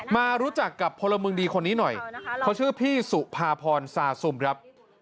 มารู้จักกับพลเมืองดีคนนี้หน่อยเขาชื่อพี่สุภาพรซาซุมครับ